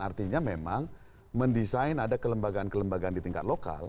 artinya memang mendesain ada kelembagaan kelembagaan di tingkat lokal